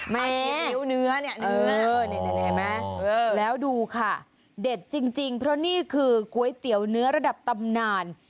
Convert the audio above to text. ไม่แล้วดูค่ะเด็ดจริงเพราะนี่คือก๋วยเตี๋ยวเนื้อระดับตำนาน